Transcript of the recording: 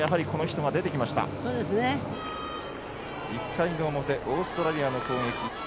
１回の表オーストラリアの攻撃。